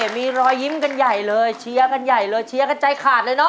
มีรอยยิ้มกันใหญ่เลยเชียร์กันใหญ่เลยเชียร์กันใจขาดเลยเนอ